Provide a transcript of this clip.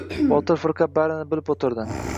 Botir firqa barini bilib o‘tirdi.